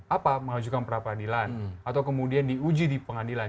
apa mengajukan perapradilan atau kemudian diuji di pengadilan